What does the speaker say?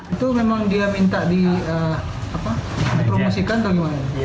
itu memang dia minta dipromosikan atau gimana